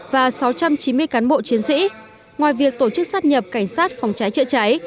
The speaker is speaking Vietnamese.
và sáu trăm chín mươi cán bộ chiến sĩ ngoài việc tổ chức sát nhập cảnh sát phòng cháy chữa cháy